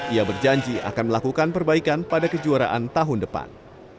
ia berjanji akan melakukan perbaikan pada kejuaraan tahun depan